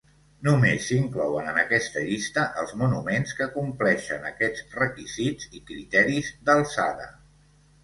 Només s'inclouen en aquesta llista els monuments que compleixen aquests requisits i criteris d'alçada.